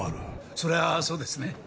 それはそうですね。